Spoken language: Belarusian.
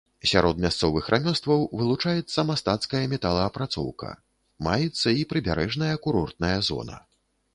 Сярод мясцовых рамёстваў вылучаецца мастацкая металаапрацоўка, маецца і прыбярэжная курортная зона.